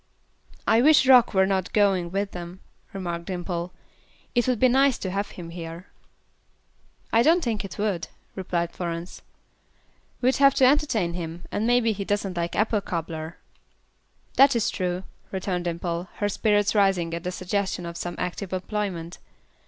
"I wish Rock were not going with them," remarked Dimple. "It would be nice to have him here." "I don't think it would," replied Florence; "we'd have to entertain him, and maybe he doesn't like 'apple cobbler.'" "That is true," returned Dimple, her spirits rising at the suggestion of some active employment.